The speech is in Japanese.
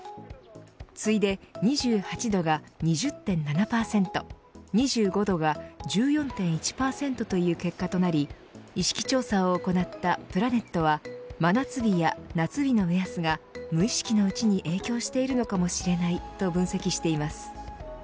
次いで２８度が２０．７％２５度が１４．１％という結果となり意識調査を行ったプラネットは真夏日や夏日の目安が無意識のうちに影響しているのかもしれないと分析しています。